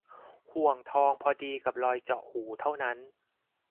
ห่วงทองพอดีกับรอยเจาะหูเท่านั้น